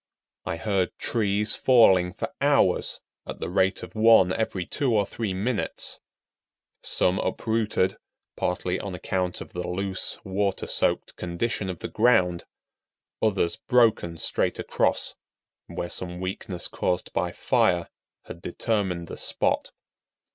I heard trees falling for hours at the rate of one every two or three minutes; some uprooted, partly on account of the loose, water soaked condition of the ground; others broken straight across, where some weakness caused by fire had determined the spot.